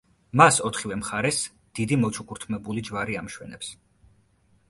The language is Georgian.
მას ოთხივე მხარეს დიდი მოჩუქურთმებული ჯვარი ამშვენებს.